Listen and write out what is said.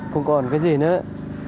không còn cái gì nữa